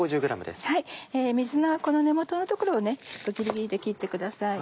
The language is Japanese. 水菜はこの根元の所をギリギリで切ってください。